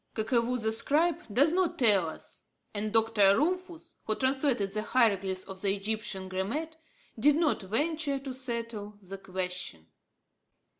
Kakevou the scribe does not tell us, and Dr. Rumphius, who translated the hieroglyphs of the Egyptian grammat, did not venture to settle the question.